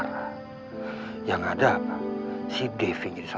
masa ini aku mau ke rumah